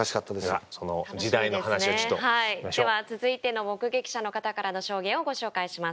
では続いての目撃者の方からの証言をご紹介します。